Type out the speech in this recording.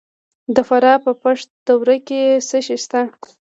د فراه په پشت رود کې څه شی شته؟